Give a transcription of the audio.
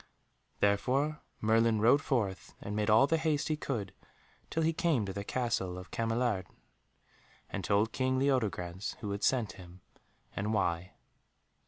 Therefore Merlin rode forth and made all the haste he could till he came to the Castle of Cameliard, and told King Leodegrance who had sent him and why.